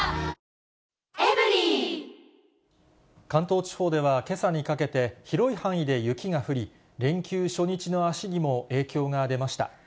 関東地方では、けさにかけて、広い範囲で雪が降り、連休初日の足にも影響が出ました。